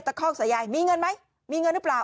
คอกสายยายมีเงินไหมมีเงินหรือเปล่า